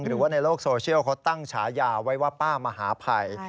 หรือว่าในโลกโซเชียลเขาตั้งฉายาไว้ว่าป้ามหาภัย